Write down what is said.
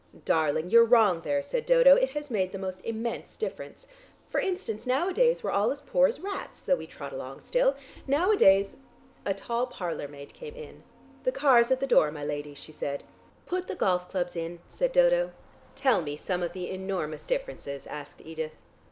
"Darling, you're wrong there," said Dodo. "It has made the most immense difference. For instance nowadays we're all as poor as rats, though we trot along still. Nowadays " A tall parlour maid came in. "The car's at the door, my lady," she said. "Put the golf clubs in," said Dodo. "Tell me some of the enormous differences," asked Edith.